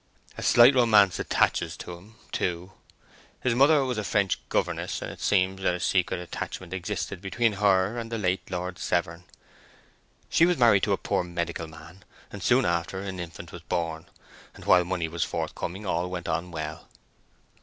A slight romance attaches to him, too. His mother was a French governess, and it seems that a secret attachment existed between her and the late Lord Severn. She was married to a poor medical man, and soon after an infant was born; and while money was forthcoming all went on well.